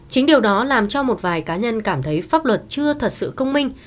chính điều đó làm cho một vài cá nhân cảm thấy pháp luật chưa thật sự công minh